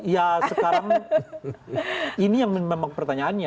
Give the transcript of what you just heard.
ya sekarang ini yang memang pertanyaannya